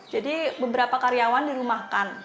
jadi beberapa karyawan dirumahkan